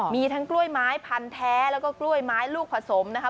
มีทั้งกล้วยไม้พันแท้แล้วก็กล้วยไม้ลูกผสมนะคะ